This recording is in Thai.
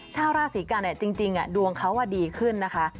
ชาวราศีกันจริงดวงเขาดีขึ้นนะคะ